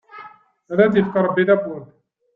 Ad d-yefk Ṛebbi tabburt!